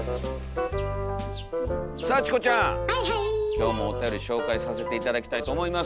今日もおたより紹介させて頂きたいと思います。